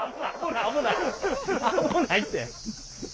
危ないて！